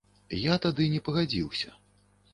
Я тады не пагадзіўся.